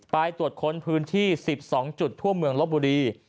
ไปตรวจค้นพื้นที่๑๒จุดทั่วเมืองลบบุรี